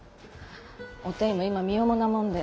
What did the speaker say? おていも今身重なもんで。